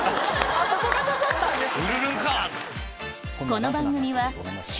そこが刺さったんですね。